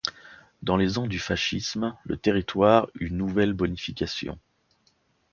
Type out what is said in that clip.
Dans les ans du fascisme, le territoire eut nouvelles bonifications.